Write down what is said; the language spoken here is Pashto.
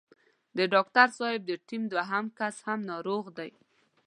د ډاکټر صاحب د ټيم دوهم کس هم ناروغ دی.